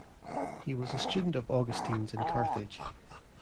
He was a student of Augustine's in Carthage.